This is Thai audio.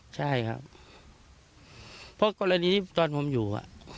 ใช่ครับเพราะกรณีที่ตอนผมอยู่